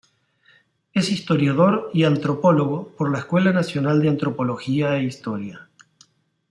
Es historiador y antropólogo por la Escuela Nacional de Antropología e Historia.